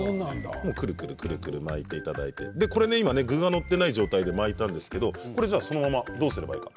くるくる巻いていただいて今、具が載っていない状態で巻いたんですがそのままどうすればいいのか。